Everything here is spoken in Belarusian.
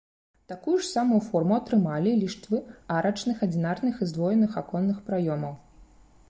Такую ж самую форму атрымалі ліштвы арачных адзінарных і здвоеных аконных праёмаў.